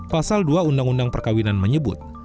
pasal dua undang undang perkawinan menyebut